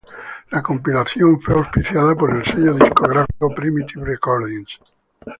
La compilación fue auspiciada por el sello discográfico Primitive Recordings.